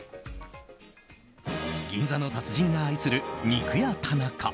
銀座の達人が愛する肉屋田中。